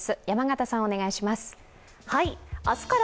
山形さん、お願いします。